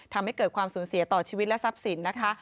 ทำให้เกิดความสูญเสียต่อชีวิตและทรัพย์สินนะคะ